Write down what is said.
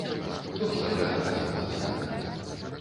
Хто ж тады адказны за сайт?